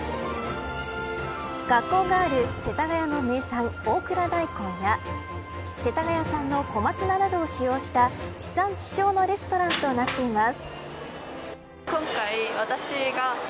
学校がある世田谷の名産大蔵大根や世田谷産の小松菜などを使用した地産地消のレストランとなっています。